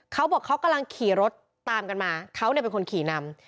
เขาบอกเขากำลังขี่รถตามกันมาเขาเป็นคนขี่นำ